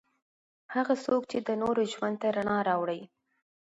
هغه څوک چې د نورو ژوند ته رڼا راوړي.